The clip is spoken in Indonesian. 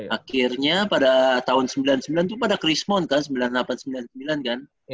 akhirnya pada tahun seribu sembilan ratus sembilan puluh sembilan tuh pada chris mon kan sembilan puluh delapan sembilan puluh sembilan kan